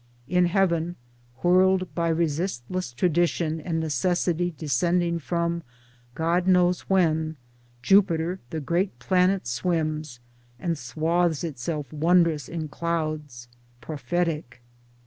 In heaven whirled by resistless tradition and necessity descending from God knows when, Jupiter the great planet swims — and swathes itself wondrous in clouds — prophetic.